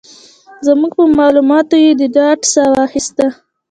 زموږ په مالوماتو یې د ډاډ ساه واخيسته.